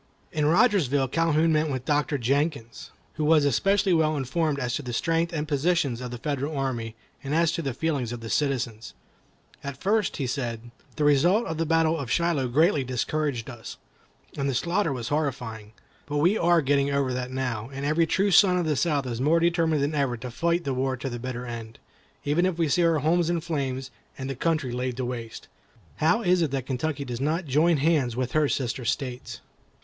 In Rogersville Calhoun met with a Doctor Jenkins, who was especially well informed as to the strength and positions of the Federal army, and as to the feelings of the citizens. "At first," said he, "the result of the battle of Shiloh greatly discouraged us, and the slaughter was horrifying. But we are getting over that now, and every true son of the South is more determined than ever to fight the war to the bitter end, even if we see our homes in flames and the country laid waste. How is it that Kentucky does not join hands with her sister states?"